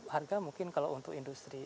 harga mungkin kalau untuk industri